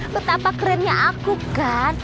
betapa kerennya aku kan